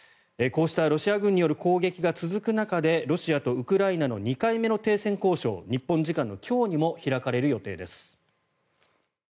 こうしたロシア軍による攻撃が続く中でロシアとウクライナの２回目の停戦交渉日本時間の今日にも開かれる予定です。